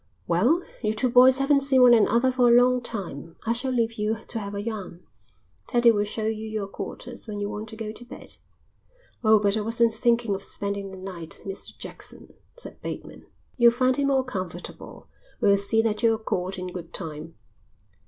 "Well, you two boys haven't seen one another for a long time. I shall leave you to have a yarn. Teddie will show you your quarters when you want to go to bed." "Oh, but I wasn't thinking of spending the night, Mr Jackson," said Bateman. "You'll find it more comfortable. We'll see that you're called in good time."